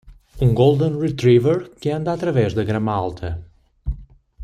Um golden retriever que anda através da grama alta.